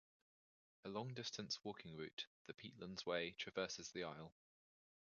A long-distance walking route, the "Peatlands Way", traverses the Isle.